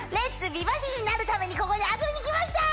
美バディ」になるためにここに遊びにきましたー！